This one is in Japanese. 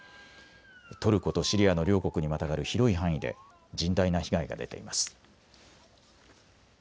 トルコとシリアの両国にまたがる広い範囲で甚大な被害が出ています。